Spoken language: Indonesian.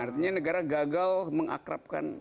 artinya negara gagal mengakrabkan